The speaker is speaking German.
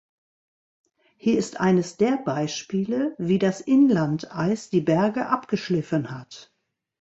Hier ist eines der Beispiele wie das Inlandeis die Berge abgeschliffen hat.